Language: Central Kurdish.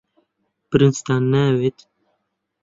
برنجتان ناوێت؟